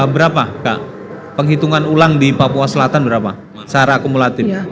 berapa kak penghitungan ulang di papua selatan berapa secara akumulatif